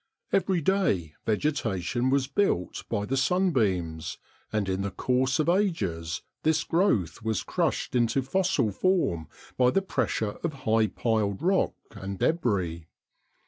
Every day vegetation was built by the sunbeams, and in the course of ages this growth was crushed into fossil form by the pressure of high piled rock and débris.